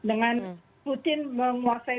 dengan putin menguasai